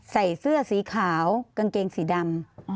ใส่เสื้อสีขาวกางเกงสีดำ